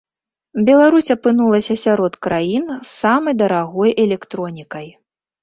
Беларусь апынулася сярод краін з самай дарагой электронікай.